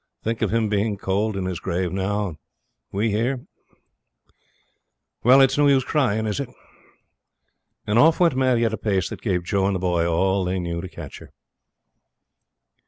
Think of him being cold in his grave now, and we here. Well, it's no use crying, is it?' And off went Maddie at a pace that gave Joe and the boy all they knew to catch her. .